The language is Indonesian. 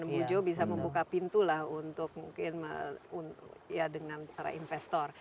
bu jo bisa membuka pintu lah untuk mungkin ya dengan para investor